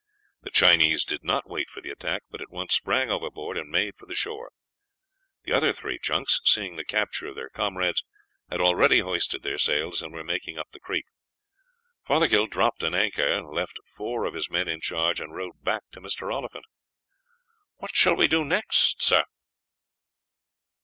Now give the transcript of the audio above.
The Chinese did not wait for the attack, but at once sprang overboard and made for the shore. The other three junks, seeing the capture of their comrades, had already hoisted their sails and were making up the creek. Fothergill dropped an anchor, left four of his men in charge, and rowed back to Mr. Oliphant. "What shall we do next, sir?"